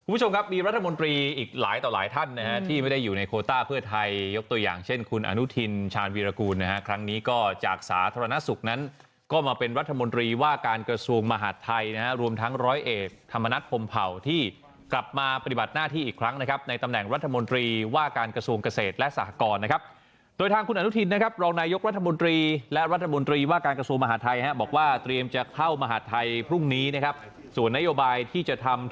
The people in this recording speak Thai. คุณผู้ชมครับมีรัฐมนตรีอีกหลายต่อหลายท่านนะฮะที่ไม่ได้อยู่ในโคต้าเพื่อไทยยกตัวอย่างเช่นคุณอนุทินชาญวีรกูลนะฮะครั้งนี้ก็จากสาธารณสุขนั้นก็มาเป็นรัฐมนตรีว่าการกระทรวงมหาดไทยนะฮะรวมทั้งร้อยเอกธรรมนัฐพรหมเผาที่กลับมาปฏิบัติหน้าที่อีกครั้งนะครับในตำแหน่งรัฐมนตร